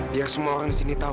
biar semua orang disini tahu